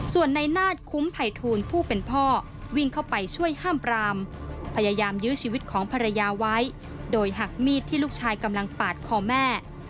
ส่วนในนาฏคุ้มภัยทูลผู้เป็นพ่อวิ่งเข้าไปช่วยห้ามปรามพยายามยื้อชีวิตของภรรยาไว้โดยหักมีดที่ลูกชายกำลังปาดคอแม่